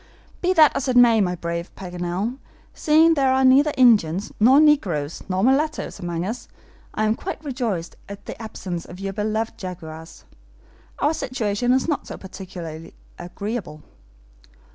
"Be that as it may, my brave Paganel, seeing there are neither Indians, nor negroes, nor mulattoes among us, I am quite rejoiced at the absence of your beloved jaguars. Our situation is not so particularly agreeable."